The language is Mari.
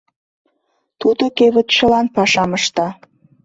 Тудо кевытчылан пашам ышта.